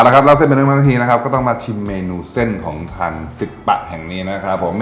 อนะละครับแล้วเซ่นเป็นลึกมานังนี้นะครับก็ต้องมาชิมเมนูเส้นของทันสิปปะแห่งนี้นะครับผม